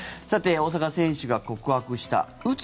大坂選手が告白したうつ